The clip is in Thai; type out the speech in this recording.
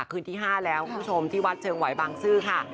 คืนที่๕แล้วคุณผู้ชมที่วัดเชิงไหวบางซื่อค่ะ